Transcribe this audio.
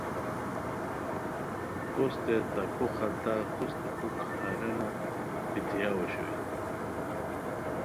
کوستے تکو خلتہ کوستے پُھک ہارینو پیتیاؤ اوشوئے